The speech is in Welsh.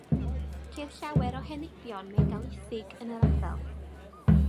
Ceir llawer o henebion megalithig yn yr ardal.